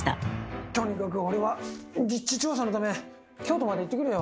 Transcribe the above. とにかく俺は実地調査のため京都まで行ってくるよ。